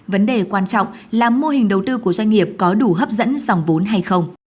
vấn đề quan trọng là mô hình đầu tư của doanh nghiệp có đủ hấp dẫn dòng vốn hay không